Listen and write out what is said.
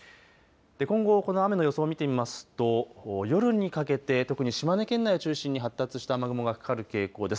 今後この雨の予想を見てみますと夜にかけて特に島根県内中心に発達した雨雲がかかる傾向です。